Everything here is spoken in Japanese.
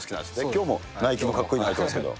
きょうもナイキのかっこいいの履いてますけど。